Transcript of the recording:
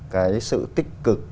cái sự tích cực